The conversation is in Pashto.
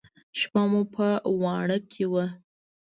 شپه مو په واڼه کښې وه.